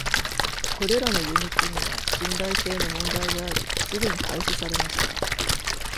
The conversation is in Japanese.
これらのユニットには信頼性の問題があり、すぐに廃止されました。